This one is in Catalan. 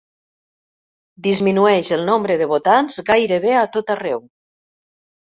Disminueix el nombre de votants gairebé a tot arreu